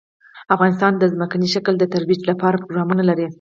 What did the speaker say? افغانستان د ځمکنی شکل د ترویج لپاره پروګرامونه لري.